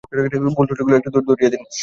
ভুল, ত্রুটিগুলো একটু ধরিয়ে দিয়েন।